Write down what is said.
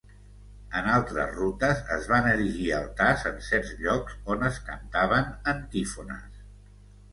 En altres rutes, es van erigir altars en certs llocs on es cantaven antífones.